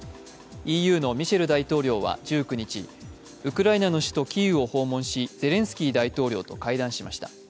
ＥＵのミシェル大統領は１９日、ウクライナの首都キーウを訪問し、ゼレンスキー大統領と会談しました。